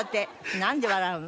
なんで笑うの？